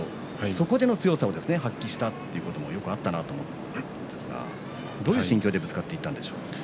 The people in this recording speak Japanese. そこでの強さを発揮したということもよくあったかなと思うんですが、どういう心境でぶつかっていったんですか？